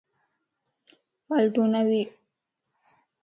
فالٽو نه ٻي